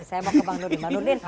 saya mau ke bang nurdin